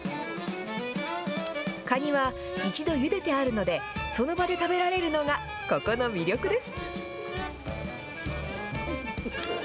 カニは一度ゆでてあるので、その場で食べられるのがここの魅力です。